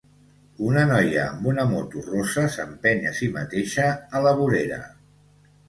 Una noia amb una moto rosa s'empeny a si mateixa a la vorera.